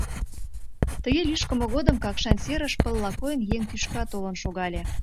Тыге лӱшкымӧ годым Какшан серыш, пылла койын, еҥ тӱшка толын шогале.